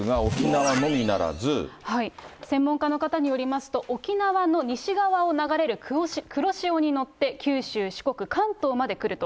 専門家の方によりますと、沖縄の西側を流れる黒潮に乗って九州、四国、関東まで来ると。